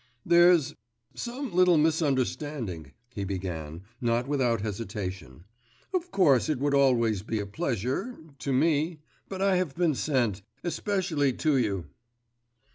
'There's ... some little misunderstanding,' he began, not without hesitation. 'Of course, it would always be ... a pleasure ... to me ... but I have been sent ... especially to you.